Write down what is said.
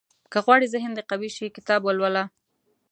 • که غواړې ذهن دې قوي شي، کتاب ولوله.